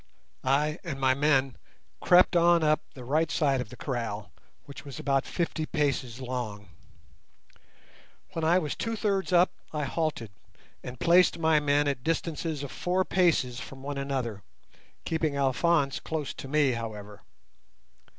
I and my men crept on up the right side of the kraal, which was about fifty paces long. When I was two thirds up I halted, and placed my men at distances of four paces from one another, keeping Alphonse close to me, however.